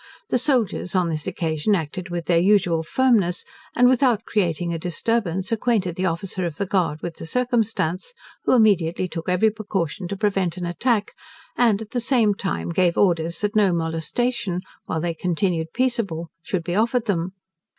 The soldiers on this occasion acted with their usual firmness, and without creating a disturbance, acquainted the officer of the guard with the circumstance, who immediately took every precaution to prevent an attack, and at the same time gave orders that no molestation, while they continued peaceable, should be offered them.